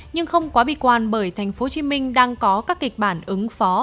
nhưng không quá bị quan bởi tp hcm đang có các kịch bản ứng phó